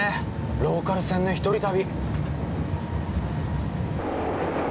ローカル線の一人旅。